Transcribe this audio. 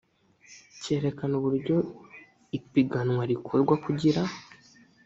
cyerekana uburyo ipiganwa rikorwa kugira